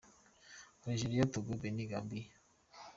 Algeria, Togo, Benin, Gambia